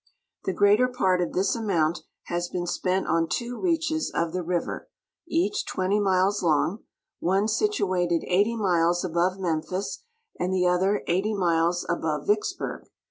The greater jmrt of this amount has been spent on two reaches of the river, each 20 miles long, one situated 80 miles above Memphis and the other 80 miles above Vicksburg.